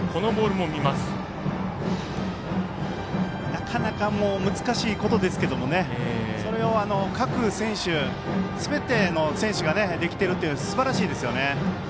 なかなか難しいことですけどもそれを各選手、すべての選手ができてるのは、すばらしいですね。